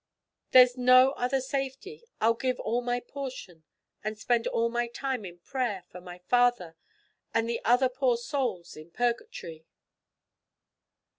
There's no other safety! I'll give all my portion, and spend all my time in prayer for my father and the other poor souls in purgatory."